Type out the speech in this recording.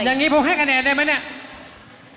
อย่างนี้ผมให้คะแนนได้ไหมเนี่ย